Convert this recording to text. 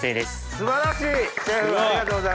素晴らしい！